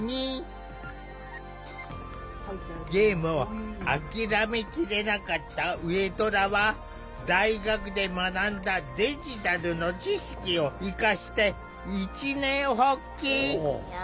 ゲームを諦めきれなかった上虎は大学で学んだデジタルの知識を生かして一念発起。